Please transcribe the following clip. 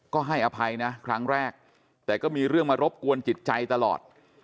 ก็ให้อภัยนะครั้งแรกแต่ก็มีเรื่องมารบกวนจิตใจตลอด